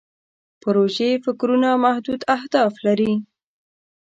پروژوي فکرونه محدود اهداف لري.